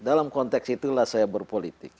dalam konteks itulah saya berpolitik